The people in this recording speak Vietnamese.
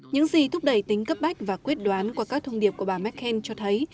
những gì thúc đẩy tính cấp bách và quyết đoán qua các thông điệp của bà merkel cho thấy